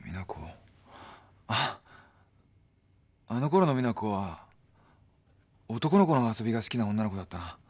あぁあのころの実那子は男の子の遊びが好きな女の子だったな。